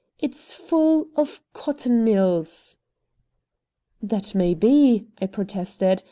"It's full of cotton mills." "That may be," I protested.